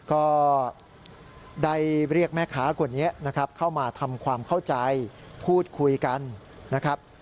ก็ได้เรียกแม่ค้าคนนี้นะครับเข้ามาทำความเข้าใจพูดคุยกันนะครับ